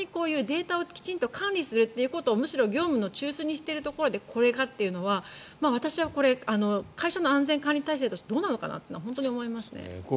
データを管理するということを業務の中枢にしているところでこれかというのは私は会社の安全管理体制としてどうなのかなというのは思いますね。